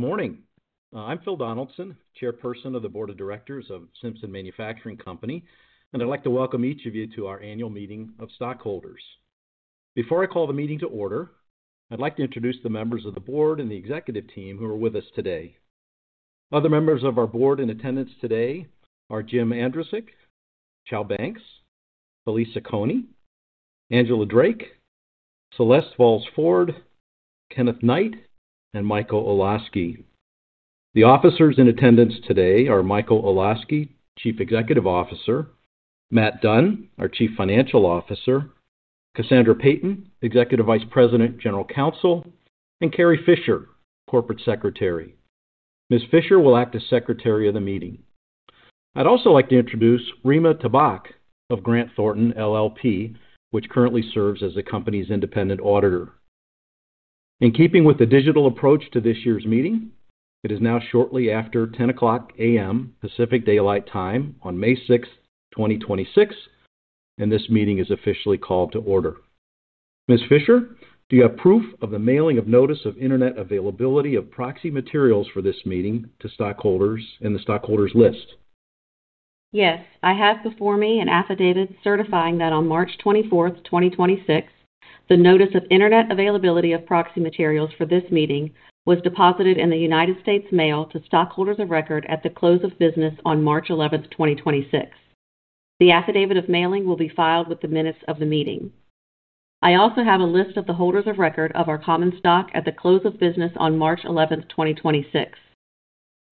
Good morning. I'm Philip Donaldson, Chairperson of the Board of Directors of Simpson Manufacturing Company, and I'd like to welcome each of you to our annual meeting of stockholders. Before I call the meeting to order, I'd like to introduce the members of the board and the executive team who are with us today. Other members of our board in attendance today are Jim Andrasick, Chau Banks, Felica Coney, Angela Drake, Celeste Volz Ford, Kenneth Knight, and Michael Olosky. The officers in attendance today are Michael Olosky, Chief Executive Officer, Matt Dunn, our Chief Financial Officer, Cassandra Payton, Executive Vice President, General Counsel, and Cari Fisher, Corporate Secretary. Ms. Fisher will act as secretary of the meeting. I'd also like to introduce Rima Tabak of Grant Thornton LLP, which currently serves as the company's independent auditor. In keeping with the digital approach to this year's meeting, it is now shortly after 10:00 A.M. Pacific Daylight Time on May 6th, 2026, and this meeting is officially called to order. Ms. Fisher, do you have proof of the mailing of notice of Internet availability of proxy materials for this meeting to stockholders in the stockholders list? Yes. I have before me an affidavit certifying that on March 24th, 2026, the notice of Internet availability of proxy materials for this meeting was deposited in the United States Mail to stockholders of record at the close of business on March 11th, 2026. The affidavit of mailing will be filed with the minutes of the meeting. I also have a list of the holders of record of our common stock at the close of business on March 11th, 2026.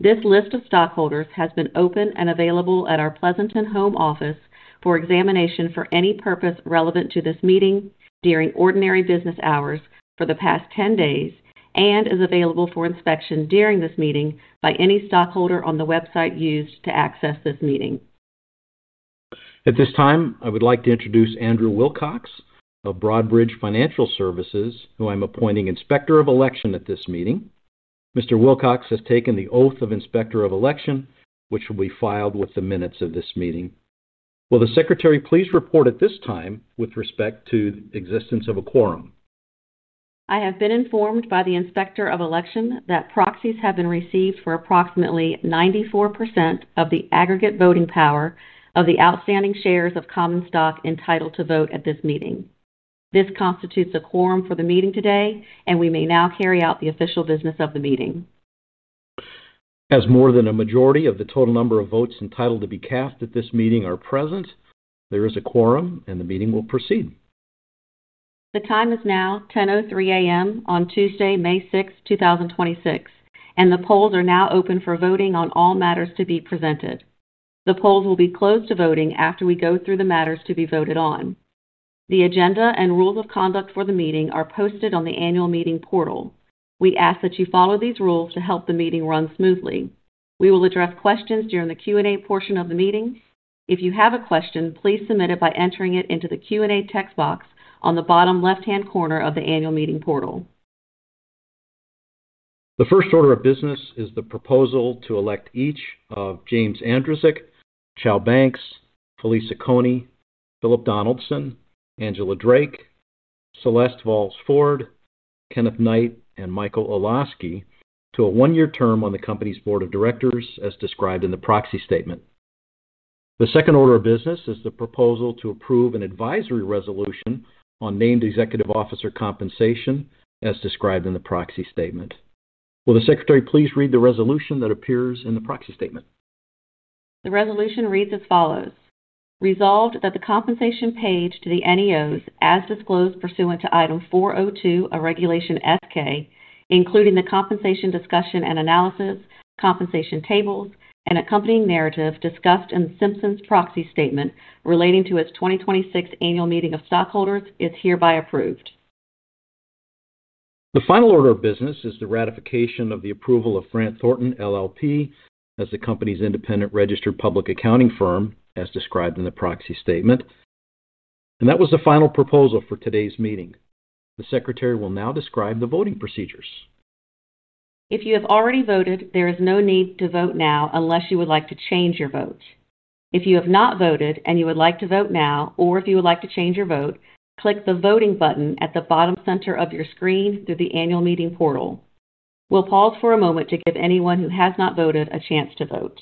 This list of stockholders has been open and available at our Pleasanton home office for examination for any purpose relevant to this meeting during ordinary business hours for the past 10 days and is available for inspection during this meeting by any stockholder on the website used to access this meeting. At this time, I would like to introduce Andrew Wilcox of Broadridge Financial Services, who I'm appointing Inspector of Election at this meeting. Mr. Wilcox has taken the oath of Inspector of Election, which will be filed with the minutes of this meeting. Will the secretary please report at this time with respect to existence of a quorum? I have been informed by the Inspector of Election that proxies have been received for approximately 94% of the aggregate voting power of the outstanding shares of common stock entitled to vote at this meeting. This constitutes a quorum for the meeting today, and we may now carry out the official business of the meeting. As more than a majority of the total number of votes entitled to be cast at this meeting are present, there is a quorum, and the meeting will proceed. The time is now 10:03 A.M. on Tuesday, May 6th, 2026. The polls are now open for voting on all matters to be presented. The polls will be closed to voting after we go through the matters to be voted on. The agenda and rules of conduct for the meeting are posted on the annual meeting portal. We ask that you follow these rules to help the meeting run smoothly. We will address questions during the Q&A portion of the meeting. If you have a question, please submit it by entering it into the Q&A text box on the bottom left-hand corner of the annual meeting portal. The first order of business is the proposal to elect each of James Andrasick, Chau Banks, Felica Coney, Philip Donaldson, Angela Drake, Celeste Volz Ford, Kenneth Knight, and Michael Olosky to a one-year term on the company's board of directors as described in the proxy statement. The second order of business is the proposal to approve an advisory resolution on named executive officer compensation as described in the proxy statement. Will the secretary please read the resolution that appears in the proxy statement? The resolution reads as follows. Resolved that the compensation paid to the NEOs as disclosed pursuant to item 402 of Regulation S-K, including the compensation discussion and analysis, compensation tables, and accompanying narrative discussed in Simpson's proxy statement relating to its 2026 annual meeting of stockholders is hereby approved. The final order of business is the ratification of the approval of Grant Thornton LLP as the company's independent registered public accounting firm, as described in the proxy statement. That was the final proposal for today's meeting. The secretary will now describe the voting procedures. If you have already voted, there is no need to vote now unless you would like to change your vote. If you have not voted and you would like to vote now or if you would like to change your vote, click the voting button at the bottom center of your screen through the annual meeting portal. We'll pause for a moment to give anyone who has not voted a chance to vote.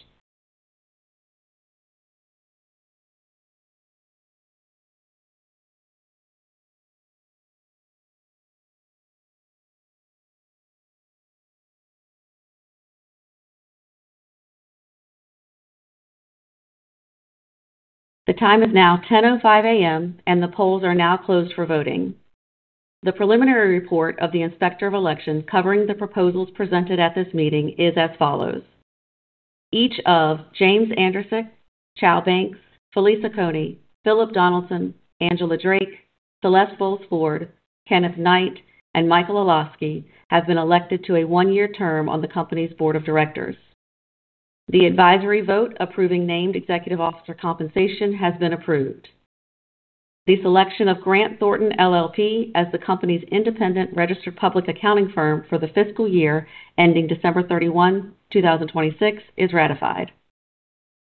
The time is now 10:05 A.M. The polls are now closed for voting. The preliminary report of the inspector of elections covering the proposals presented at this meeting is as follows. Each of James Andrasick, Chau Banks, Felica Coney, Philip Donaldson, Angela Drake, Celeste Volz Ford, Kenneth Knight, and Michael Olosky have been elected to a one-year term on the company's board of directors. The advisory vote approving named executive officer compensation has been approved. The selection of Grant Thornton LLP as the company's independent registered public accounting firm for the fiscal year ending December 31, 2026 is ratified.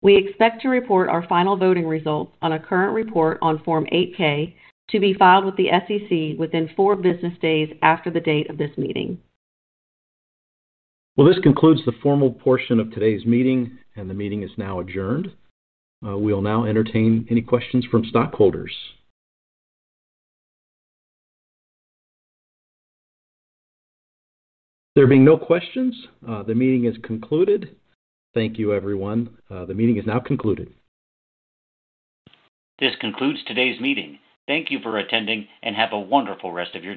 We expect to report our final voting results on a current report on Form 8-K to be filed with the SEC within four business days after the date of this meeting. Well, this concludes the formal portion of today's meeting, and the meeting is now adjourned. We will now entertain any questions from stockholders. There being no questions, the meeting is concluded. Thank you, everyone. The meeting is now concluded. This concludes today's meeting. Thank you for attending, and have a wonderful rest of your day.